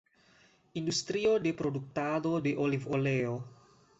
Industrio de produktado de olivoleo.